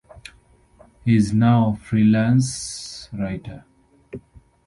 He is now freelance writer.